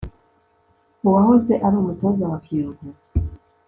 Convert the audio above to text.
Uwahoze ari umutoza wa kiyovu